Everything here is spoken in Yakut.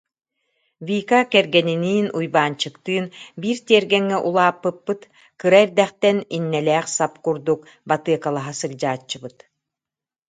Вика кэргэниниин Уйбаанчыктыын биир тиэргэҥҥэ улааппыппыт, кыра эрдэхтэн иннэлээх сап курдук батыаккалаһа сылдьааччыбыт